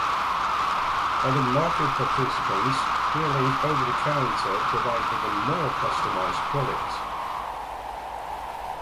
Other market participants dealing over the counter provide even more customized products.